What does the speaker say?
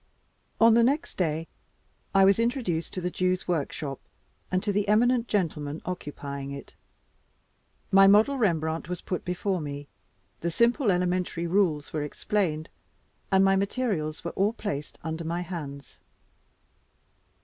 ON the next day, I was introduced to the Jew's workshop, and to the eminent gentlemen occupying it. My model Rembrandt was put before me; the simple elementary rules were explained; and my materials were all placed under my hands.